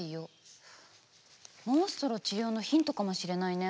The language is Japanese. モンストロ治療のヒントかもしれないね。